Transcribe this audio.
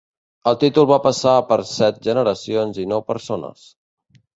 El títol va passar per set generacions i nou persones.